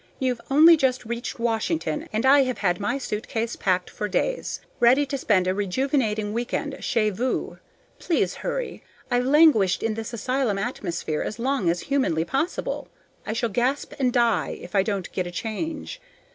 You've only just reached Washington, and I have had my suitcase packed for days, ready to spend a rejuvenating week end CHEZ VOUS. Please hurry! I've languished in this asylum atmosphere as long as humanely possible. I shall gasp and die if I don't get a change.